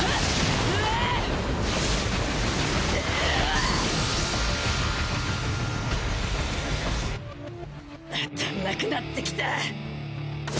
あたんなくなってきた